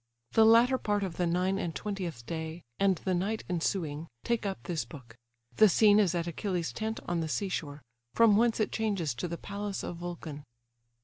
The latter part of the nine and twentieth day, and the night ensuing, take up this book: the scene is at Achilles' tent on the sea shore, from whence it changes to the palace of Vulcan.